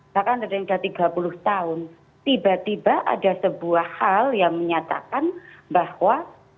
bahkan sedangkan tiga puluh tahun tiba tiba ada sebuah hal yang menyatakan bahwa honorer ini sudah